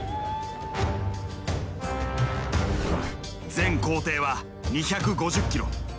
全行程は２５０ｋｍ。